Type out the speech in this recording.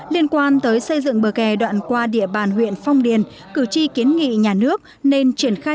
liên quan tới xây dựng bờ kè đoạn qua địa bàn huyện phong điền cử tri kiến nghị nhà nước nên triển khai